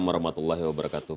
salam warahmatullahi wabarakatuh